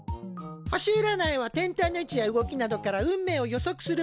星うらないは天体の位置や動きなどから運命を予測するもの。